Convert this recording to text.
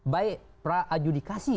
by per adjudikasi